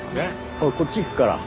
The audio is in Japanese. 俺こっち行くから。